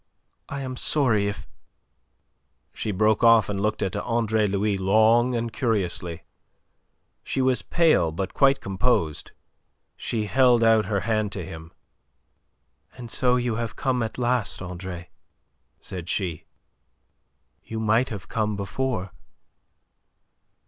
I am sorry if..." She broke off, and looked at Andre Louis long and curiously. She was pale, but quite composed. She held out her hand to him. "And so you have come at last, Andre," said she. "You might have come before."